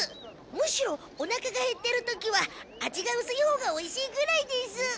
むしろおなかがへってる時は味がうすいほうがおいしいぐらいです。